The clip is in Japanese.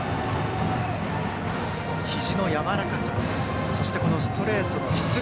ひじのやわらかさそしてストレートの質。